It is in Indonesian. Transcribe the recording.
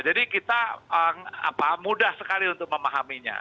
jadi kita mudah sekali untuk memahaminya